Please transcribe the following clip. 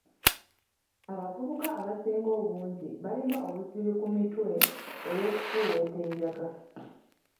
Abavubuka abasinga obungi balina obuzibu ku mitwe olw'okufuuweeta enjaga.